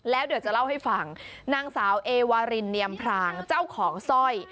แล้วเดี๋ยวจะเล่าให้ฟังนางสาวเอวารินเนียมพรางเจ้าของสร้อย